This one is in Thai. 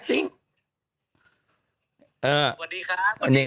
สวัสดีค่ะ